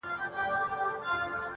چی هر لوري ته یې مخ سي موږ منلی!!